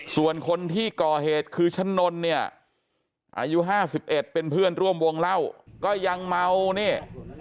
ส่วนคนที่ก่อเหตุคือชะนนเนี่ยอายุ๕๑เป็นเพื่อนร่วมวงเล่าก็ยังเมานี่